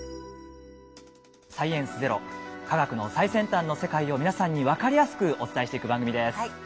「サイエンスＺＥＲＯ」科学の最先端の世界を皆さんに分かりやすくお伝えしていく番組です。